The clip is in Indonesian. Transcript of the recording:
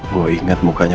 gua inget mukanya